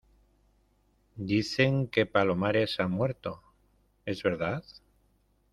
dicen que Palomares ha muerto. ¿ es verdad?